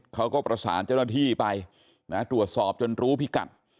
เขาก็ประสานเจ้าหน้าที่ไปนะตรวจสอบจนรู้พิกัด